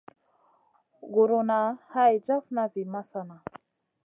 Guruna hay jafna vi masana.